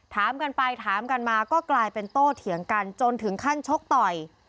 ถามกันไปถามกันมาก็กลายเป็นโต้เถียงกันจนถึงขั้นชกต่อย